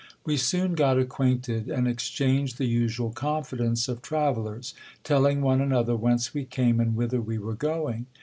We soon got acquainted, and exchanged the usual confidence of travel lers, telling one another whence we came and whither we were going.